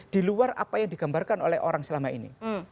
di luar apa yang digambarkan oleh orang selama ini